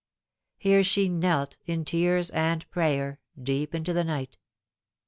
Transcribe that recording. Here she knelt, in tears and prayer, deep into the night.